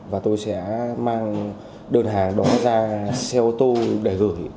và tôi sẽ mang đơn hàng đó ra xe ô tô để gửi